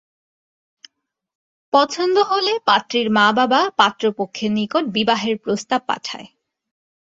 পছন্দ হলে পাত্রীর মা-বাবা পাত্রপক্ষের নিকট বিবাহের প্রস্তাব পাঠায়।